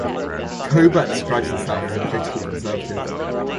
Covert describes himself as a political conservative.